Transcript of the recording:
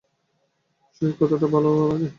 সেই কথাটা বলো আগে।